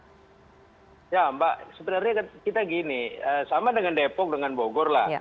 ya mbak sebenarnya kita gini sama dengan depok dengan bogor lah